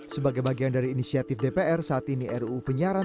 sebagai bagian dari inisiatif dpr saat ini ruu penyiaran